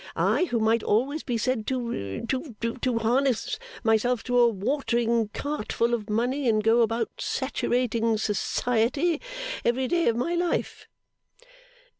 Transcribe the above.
I, who might always be said to to to harness myself to a watering cart full of money, and go about saturating Society every day of my life.